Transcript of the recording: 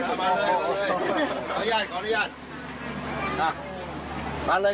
มาเลยมาเลย